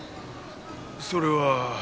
それは。